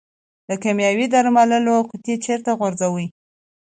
د کیمیاوي درملو قطۍ چیرته غورځوئ؟